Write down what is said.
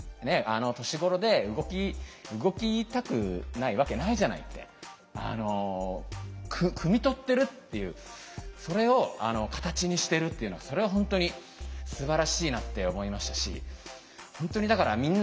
あの年頃で動きたくないわけないじゃないってくみ取ってるっていうそれを形にしてるっていうのはそれは本当にすばらしいなって思いましたし本当にだからうん。